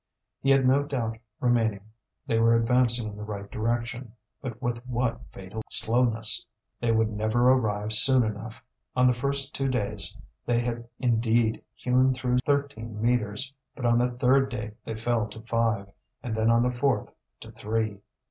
He had no doubt remaining; they were advancing in the right direction, but with what fatal slowness! They would never arrive soon enough. On the first two days they had indeed hewn through thirteen metres; but on the third day they fell to five, and then on the fourth to three.